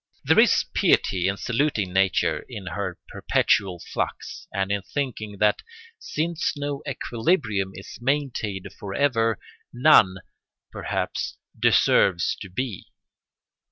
There is piety in saluting nature in her perpetual flux and in thinking that since no equilibrium is maintained for ever none, perhaps, deserves to be.